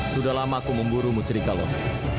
sudah lama aku memburu trigalon